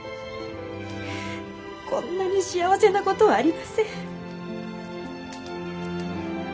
こんなに幸せな事はありません。